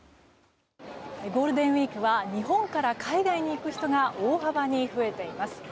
ゴールデンウィークは日本から海外に行く人が大幅に増えています。